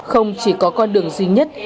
không chỉ có con đường duy nhất